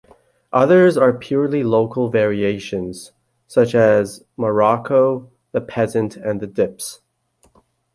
Others are purely local variations, such as Marraco the peasant and the dips.